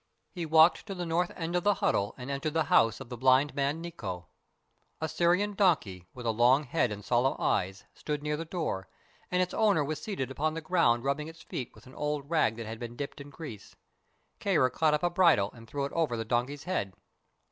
He walked to the north end of the huddle and entered the house of the blind man, Nikko. A Syrian donkey, with a long head and solemn eyes, stood near the door, and its owner was seated upon the ground rubbing its feet with an old rag that had been dipped in grease. Kāra caught up a bridle and threw it over the donkey's head.